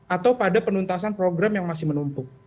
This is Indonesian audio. atau pada penuntasan program yang masih menumpuk